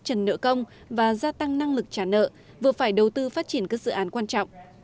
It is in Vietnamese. trần nợ công và gia tăng năng lực trả nợ vừa phải đầu tư phát triển các dự án quan trọng